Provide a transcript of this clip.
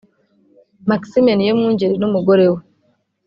Maxime Niyomwungeri n’umugore we